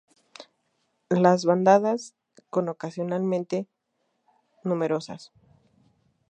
Las bandadas con ocasionalmente numerosas.